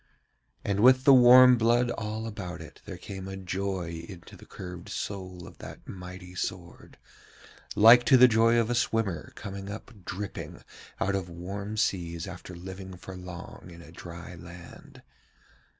And with the warm blood all about it there came a joy into the curved soul of that mighty sword, like to the joy of a swimmer coming up dripping out of warm seas after living for long in a dry land.